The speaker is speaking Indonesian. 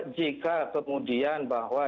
jika kemudian bahwa